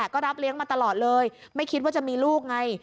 ก็รับเลี้ยงมาตลอดเลยไม่คิดว่าจะมีลูกไง